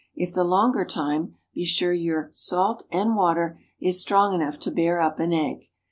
If the longer time, be sure your salt and water is strong enough to bear up an egg.